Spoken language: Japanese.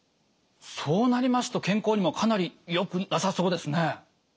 そうなりますと健康にもかなりよくなさそうですね。